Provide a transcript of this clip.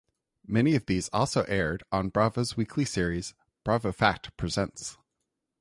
Many of these also aired on Bravo's weekly series "Bravo! Fact Presents".